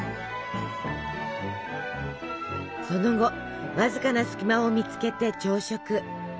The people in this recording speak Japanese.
その後わずかな隙間を見つけて朝食。